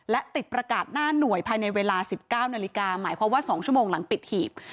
และติดประกาศหน้าหน่วยภายในเวลา๑๙นาฬิกาหมายความว่า๒ชั่วโมงหลังปิดหีบ